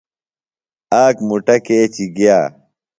اک مُٹہ کیچیۡ گیہ